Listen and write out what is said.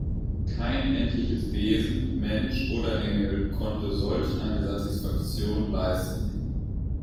Kein endliches Wesen, Mensch oder Engel, konnte solch eine Satisfaktion leisten.